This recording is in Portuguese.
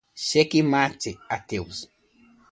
Xeque mate ateus